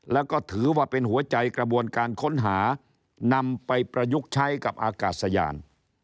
แล้วก็ถือว่าเป็นหัวใจกระบวนการค้นหานำไปประยุกต์ใช้กับอากาศยาน